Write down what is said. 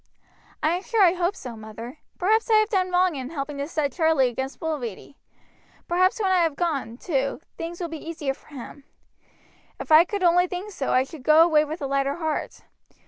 "I am sure I hope so, mother. Perhaps I have done wrong in helping to set Charlie against Mulready. Perhaps when I have gone, too, things will be easier for him. If I could only think so I should go away with a lighter heart.